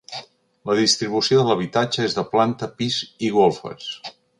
La distribució de l'habitatge és de planta, pis i golfes.